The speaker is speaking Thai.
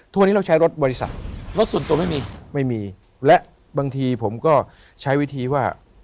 ทุกวันนี้เราใช้รถบริษัทรถส่วนตัวไม่มีไม่มีและบางทีผมก็ใช้วิธีว่า